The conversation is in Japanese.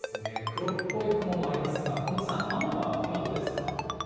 黒っぽい雲もありますが、近藤さん、雨は今、どうですか？